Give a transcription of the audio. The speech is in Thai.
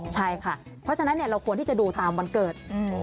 ใช่ค่ะเพราะฉะนั้นเราควรที่จะดูตามวันเกิด